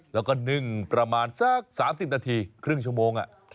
แล้วก็นึ่งประมาณสัก๓๐นาทีครึ่งชั่วโมง